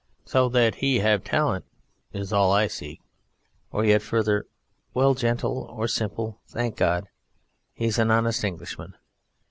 So that he have talent 'tis all I seek," or yet further, "Well, gentle or simple, thank God he's an honest Englishman."